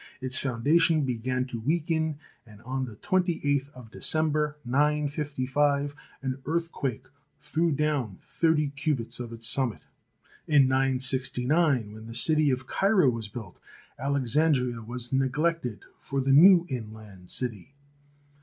Its foundations began to weaken, and on the 28th of December, 955, an earthquake threw down thirty cubits of its summit. In 969, when the city of Cairo was built, Alexandria was neg lected for the new inland city.